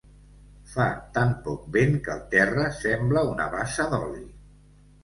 Fa tan poc vent que el terra sembla una bassa d'oli.